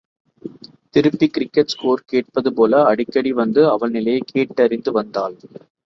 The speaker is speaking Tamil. திருப்பிக் கிரிக்கட்டு ஸ்கோர் கேட்பது போல அடிக்கடி வந்து அவள் நிலையைக் கேட்டு அறிந்து வந்தாள்.